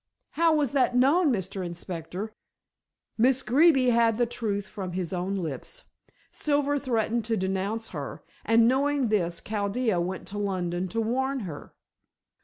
"How was that known, Mr. Inspector?" "Miss Greeby had the truth from his own lips. Silver threatened to denounce her, and knowing this Chaldea went to London to warn her."